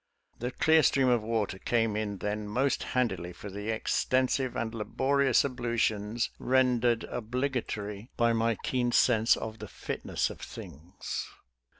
The clear stream of water came in then most handily for the extensive and laborious ablutions rendered obligatory by my keen sense of the fitness of things.